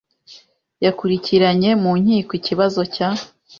yakurikiranye mu nkiko ikibazo cya